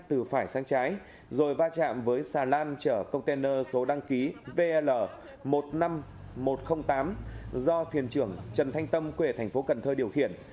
từ phải sang trái rồi va chạm với xà lan chở container số đăng ký vl một mươi năm nghìn một trăm linh tám do thuyền trưởng trần thanh tâm quê thành phố cần thơ điều khiển